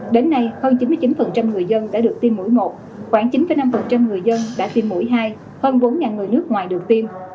đến nay hơn chín mươi chín người dân đã được tiêm mũi một khoảng chín năm người dân đã tiêm mũi hai hơn bốn người nước ngoài đầu tiên